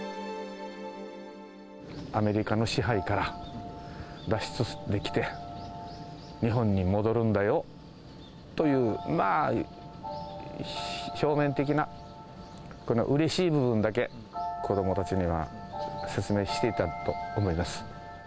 アメリカの支配から脱出できて、日本に戻るんだよという、まあ、表面的なうれしい部分だけ、子どもたちには説明していたと思います。